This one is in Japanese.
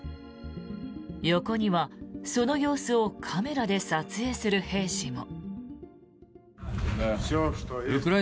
横には、その様子をカメラで撮影する兵士も。